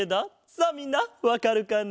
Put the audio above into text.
さあみんなわかるかな？